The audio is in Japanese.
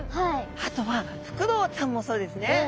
あとはフクロウさんもそうですね。